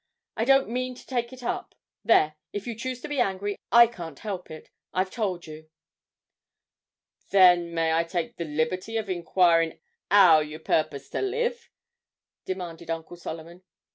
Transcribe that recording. I don't mean to take it up; there, if you choose to be angry, I can't help it. I've told you.' 'Then may I take the liberty of inquirin' 'ow you purpose to live?' demanded Uncle Solomon.